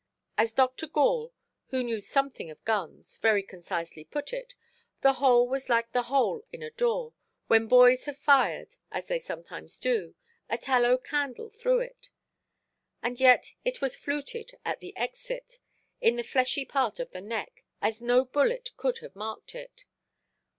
As Dr. Gall, who knew something of guns, very concisely put it, the hole was like the hole in a door, when boys have fired, as they sometimes do, a tallow–candle through it. And yet it was fluted at the exit, in the fleshy part of the neck, as no bullet could have marked it.